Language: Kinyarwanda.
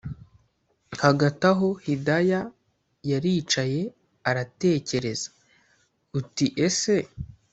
hagati aho hidaya yaricaye aratekereza uti; ese